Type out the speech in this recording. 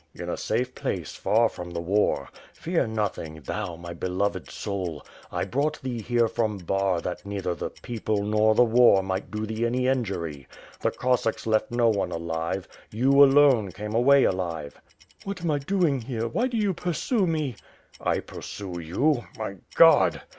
"In a safe place, far from the war. Fear nothing, thou, my beloved soul! I brought thee here from Bar that neither the people nor the war might do thee any injury. The Cos sacks left no one alive; you, alone, came away alive." "What am I doing here? Why do you pursue me?" "I pursue you! My God!"